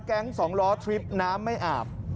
แก๊งสองล้อทริปน้ำไม่อาบ